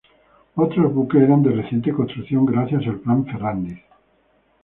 Otros buques eran de reciente construcción gracias al Plan Ferrándiz.